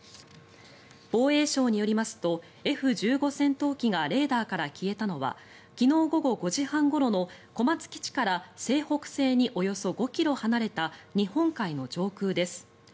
防衛省によりますとＦ１５戦闘機がレーダーから消えたのは昨日午後５時半ごろの小松基地から西北西におよそ５ｋｍ離れた日本海の上空です。